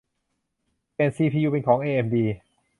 เปลี่ยนซีพียูเป็นของเอเอ็มดี